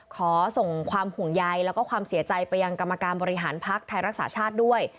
ขอส่งความห่วงใยแล้วก็ความเสียใจไปยังกรรมการบริหารภักดิ์ไทยรักษาชาติด้วย